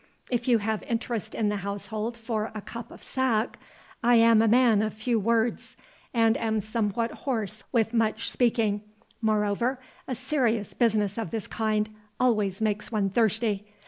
—if you have interest in the household for a cup of sack—I am a man of few words, and am somewhat hoarse with much speaking—moreover, a serious business of this kind always makes one thirsty.